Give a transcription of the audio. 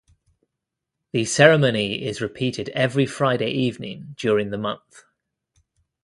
The ceremony is repeated every Friday evening during the month.